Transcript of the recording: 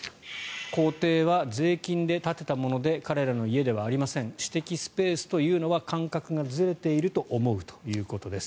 公邸は税金で建てたもので彼らの家ではありません私的スペースというのは感覚がずれていると思うということです。